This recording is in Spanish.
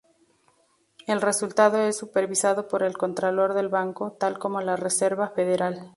El resultado es supervisado por el contralor del banco, tal como la Reserva Federal.